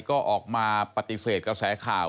ก็ออกมาปฏิเสธกระแสข่าว